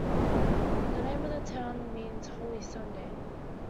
The name of the town means "Holy Sunday".